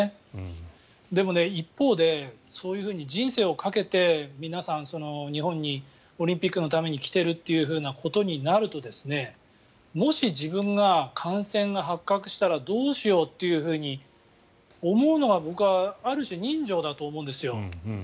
でも、一方でそういうふうに人生をかけて皆さん、日本にオリンピックのために来ているということになるともし、自分が感染が発覚したらどうしようっていうふうに思うのが僕はある種、人情だと思うんですよ。